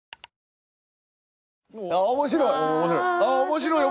面白い！